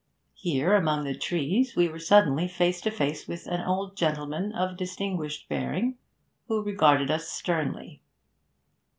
Here, among the trees, we were suddenly face to face with an old gentleman of distinguished bearing, who regarded us sternly.